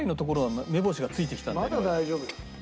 まだ大丈夫だよ。